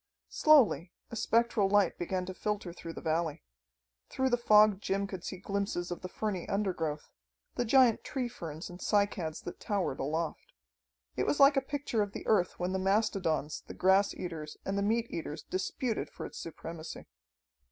Slowly a spectral light began to filter through the valley. Through the fog Jim could see glimpses of the ferny undergrowth, the giant tree ferns and cycads that towered aloft. It was like a picture of the earth when the mastodons, the grass eaters and the meat eaters disputed for its supremacy.